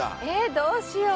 どうしよう。